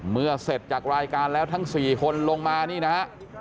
เมื่อเสร็จจากรายการแล้วทั้ง๔คนลงมานี่นะฮะ